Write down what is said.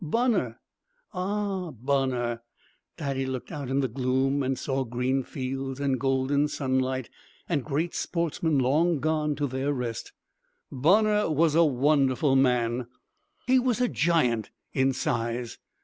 "Bonner!" "Ah, Bonner!" Daddy looked out in the gloom and saw green fields and golden sunlight, and great sportsmen long gone to their rest. "Bonner was a wonderful man. He was a giant in size."